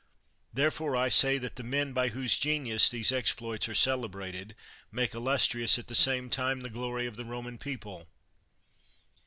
Therefore, I say that the men by whose genius these exploits are celebrated, make illustrious at the same time the glory of the Roman people.